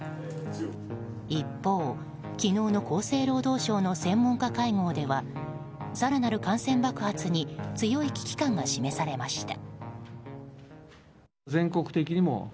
一方、昨日の厚生労働省の専門家会合では更なる感染爆発に強い危機感が示されました。